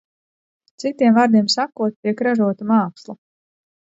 Citiem vārdiem sakot, tiek ražota māksla.